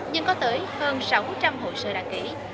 nhưng có tới hơn sáu trăm linh hội sự đăng ký